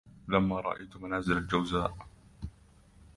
لما رأيت منازل الجوزاء